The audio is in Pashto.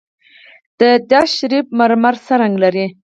د چشت شریف مرمر څه رنګ لري؟